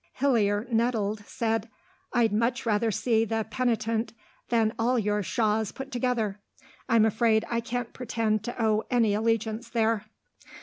Hillier, nettled, said, "I'd much rather see 'The Penitent' than all your Shaws put together. I'm afraid I can't pretend to owe any allegiance there."